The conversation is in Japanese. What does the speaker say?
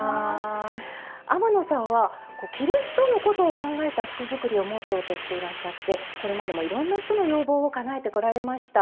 天野さんは「着る人のことを考えた服」作りをモットーとしていらっしゃってこれまでもいろんな人の要望をかなえてこられました。